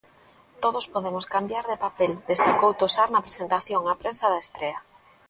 Todos podemos cambiar de papel destacou Tosar na presentación á prensa da estrea.